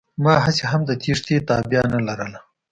ما هسې هم د تېښتې تابيا نه لرله.